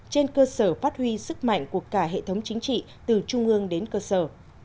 trên cơ sở phát huy sức mạnh của cả hệ thống chính trị từ trung ương đến cơ sở